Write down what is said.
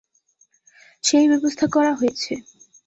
সেই ব্যবস্থা করা হয়েছে।